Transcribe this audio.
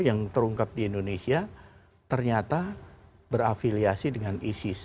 yang terungkap di indonesia ternyata berafiliasi dengan isis